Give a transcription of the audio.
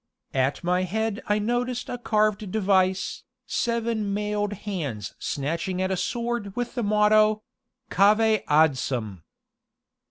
At my head I noticed a carved device, seven mailed hands snatching at a sword with the motto: "CAVE ADSUM!"